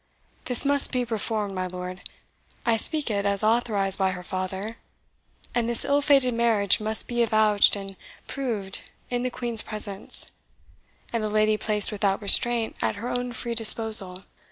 This must be reformed, my lord I speak it as authorized by her father and this ill fated marriage must be avouched and proved in the Queen's presence, and the lady placed without restraint and at her own free disposal.